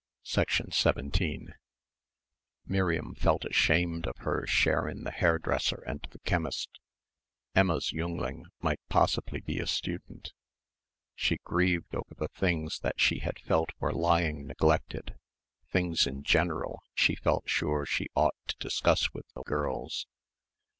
17 Miriam felt ashamed of her share in the hairdresser and the chemist. Emma's jüngling might possibly be a student.... She grieved over the things that she felt were lying neglected, "things in general" she felt sure she ought to discuss with the girls